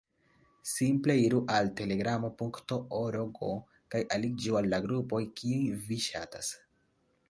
Simple iru al telegramo.org kaj aliĝu al la grupoj, kiujn vi ŝatas.